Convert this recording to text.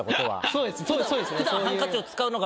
そうですね。